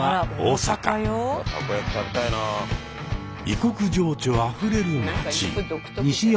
異国情緒あふれる街。